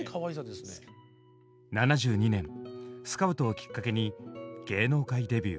７２年スカウトをきっかけに芸能界デビュー。